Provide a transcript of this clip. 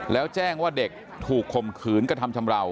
แล้วแจ้งว่าเด็กถูกข่มขืนกระทำชำราว